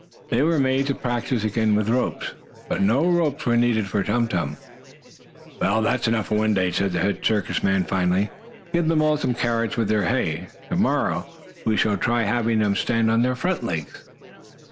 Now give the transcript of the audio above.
They were made to practice again with ropes, but no ropes were needed for Tum Tum. "Well, that's enough for one day," said the head circus man finally. "Give them all some carrots with their hay. To morrow we shall try having them stand on their front legs."